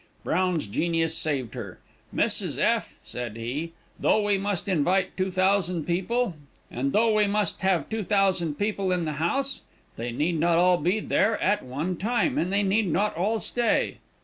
Brown's genius saved her. 'Mrs. F.,' said he, 'though we must invite 2000 people, and though we must have 2000 people in the house, they need not be all there at one time, and they need not all stay.'